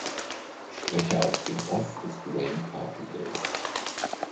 Sprecher aus dem Off ist Wayne Carpendale.